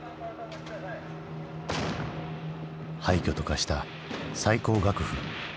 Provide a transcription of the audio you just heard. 廃虚と化した最高学府。